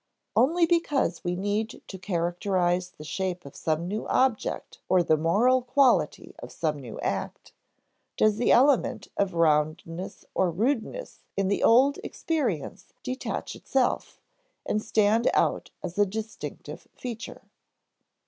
Only because we need to characterize the shape of some new object or the moral quality of some new act, does the element of roundness or rudeness in the old experience detach itself, and stand out as a distinctive feature.